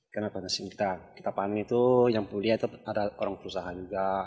karena kita panen itu yang pulihnya itu ada orang perusahaan juga